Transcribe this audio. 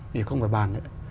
thì không phải bàn nữa